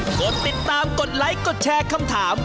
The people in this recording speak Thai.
กดติดตามกดไลค์กดแชร์คำถาม